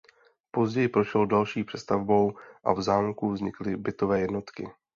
Později prošel další přestavbou a v zámku vznikly bytové jednotky.